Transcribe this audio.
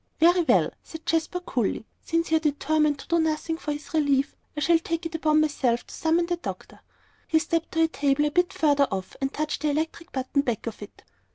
"Very well," said Jasper, coolly, "since you are determined to do nothing for his relief, I shall take it upon myself to summon the doctor." He stepped to a table a bit further off, and touched the electric button back of it.